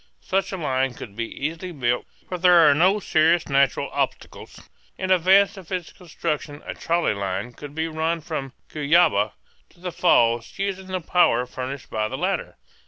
Such a line could be easily built, for there are no serious natural obstacles. In advance of its construction a trolley line could be run from Cuyaba to the falls, using the power furnished by the latter.